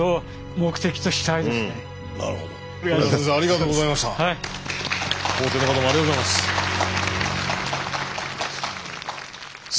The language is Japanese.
門弟の方もありがとうございます。